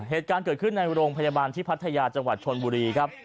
เหตุการณ์เกิดขึ้นในโรงพยาบาลที่พารถัยาจชนบุหรีครับ